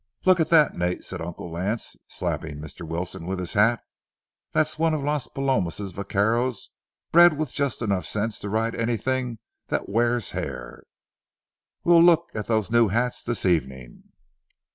"Look at that, Nate," said Uncle Lance, slapping Mr. Wilson with his hat; "that's one of the Las Palomas vaqueros, bred with just sense enough to ride anything that wears hair. We'll look at those new hats this evening."